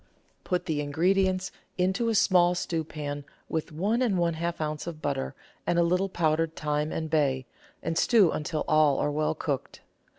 Put the ingredients into a small stewpan with one and one half oz. of butter and a little powdered thyme and bay, and stew until all are well cooked.